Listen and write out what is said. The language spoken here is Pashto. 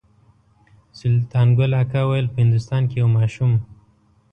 سلطان ګل اکا ویل په هندوستان کې یو ماشوم.